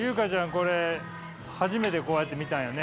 これ初めてこうやって見たんよね？